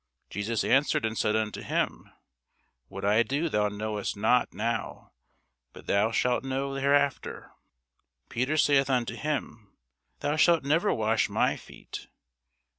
Jesus answered and said unto him, What I do thou knowest not now; but thou shalt know hereafter. Peter saith unto him, Thou shalt never wash my feet.